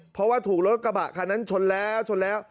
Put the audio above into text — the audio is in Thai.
เพราะว่าถูกรถกระบะคันนั้นชนแล้วชนแล้ว